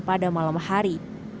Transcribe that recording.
pada malam hari